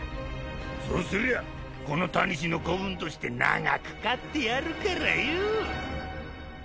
そうすりゃこの多西の子分として長く飼ってやるからよ。